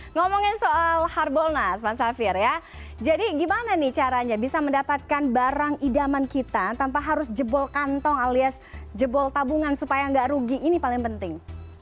ngomongin soal harbolnas mas safir ya jadi gimana nih caranya bisa mendapatkan barang idaman kita tanpa harus jebol kantong alias jebol tabungan supaya nggak rugi ini paling penting